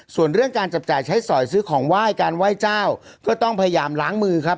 ส่วนเรื่องการจับจ่ายใช้สอยซื้อของไหว้การไหว้เจ้าก็ต้องพยายามล้างมือครับ